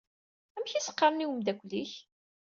Amek i s-qqaṛen i wemdakel-ik?